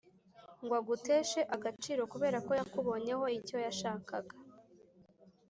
ngwaguteshe agaciro kuberako yakubonyeho icyo yashakaga.